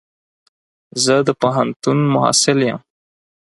زه د پوهنتون محصل يم.